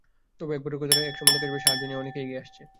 তবে একবার রুখে দাঁড়ালে একসময় দেখা যাবে সাহায্য নিয়ে অনেকেই এগিয়ে আসছে।